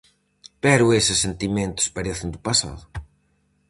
Pero eses sentimentos parecen do pasado.